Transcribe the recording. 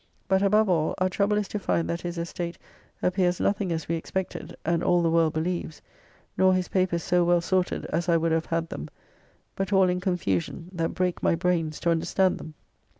But above all, our trouble is to find that his estate appears nothing as we expected, and all the world believes; nor his papers so well sorted as I would have had them, but all in confusion, that break my brains to understand them.